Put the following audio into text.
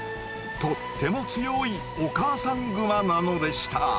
とっても強いお母さんグマなのでした。